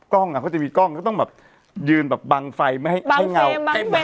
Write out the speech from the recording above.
กล้องอ่ะเขาจะมีกล้องก็ต้องแบบยืนแบบบังไฟไม่ให้เงาให้หมด